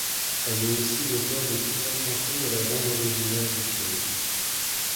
Elle est aussi l'auteure de plusieurs chansons de la bande originale du film.